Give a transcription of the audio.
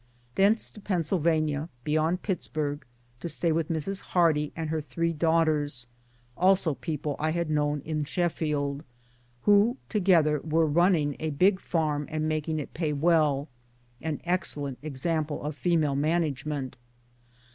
Thence to Pennsylvania, beyond Pittsburg, to stay with Mrs. Hardy and her three daughters also people I had known in Sheffield : who together were * running * a big farm and making it pay well, an excellent example of female manage ment.